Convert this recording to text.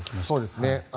そうですね。